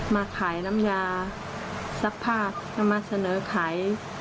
มาขายน้ำยาซักผ้านำมาเสนอขาย